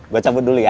gue cabut dulu ya